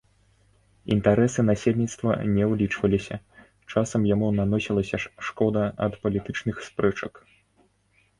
Інтарэсы насельніцтва не ўлічваліся, часам яму наносілася шкода ад палітычных спрэчак.